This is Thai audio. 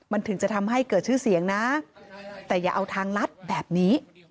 มันถึงจะทำให้เกิดชื่อเสียงนะแต่อย่าเอาทางลัดแบบนี้